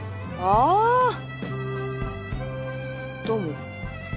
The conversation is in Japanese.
どうも。